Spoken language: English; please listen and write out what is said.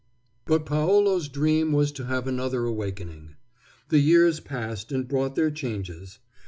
But Paolo's dream was to have another awakening. The years passed and brought their changes.